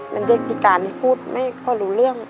เป็นเด็กพิการพูดไม่ค่อยรู้เรื่อง